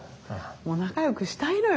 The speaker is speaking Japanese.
もう仲よくしたいのよ。